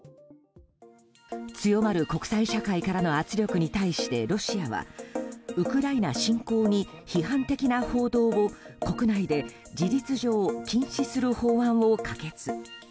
強まる国際社会からの圧力に対してロシアはウクライナ侵攻に批判的な報道を国内で事実上、禁止する法案を可決。